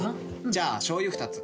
じゃあしょうゆ２つ。